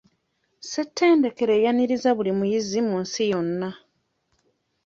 Ssetendekero eyaniriza buli muyizi mu nsi yonna.